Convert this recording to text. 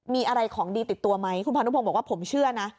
มีอะไรของดีติดตัวไหมคุณพานุพงศ์บอกว่าผมเชื่อนะ